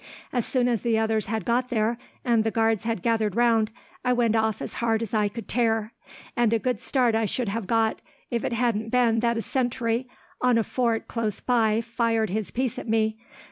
As soon as the others had got there, and the guards had gathered round, I went off as hard as I could tear. And a good start I should have got, if it hadn't been that a sentry on a fort close by fired his piece at me.